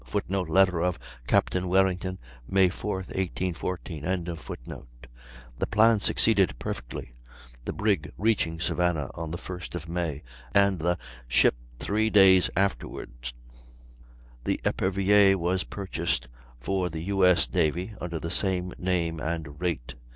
[Footnote: Letter of Capt. Warrington, May 4, 1814.] The plan succeeded perfectly, the brig reaching Savannah on the first of May, and the ship three days afterward. The Epervier was purchased for the U.S. navy, under the same name and rate.